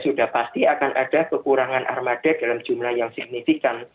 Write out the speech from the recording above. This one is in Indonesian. sudah pasti akan ada kekurangan armada dalam jumlah yang signifikan